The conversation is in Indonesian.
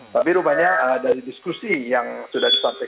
tapi rupanya dari diskusi yang sudah disampaikan